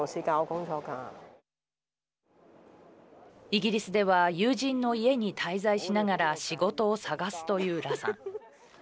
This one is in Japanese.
イギリスでは友人の家に滞在しながら仕事を探すという羅さん。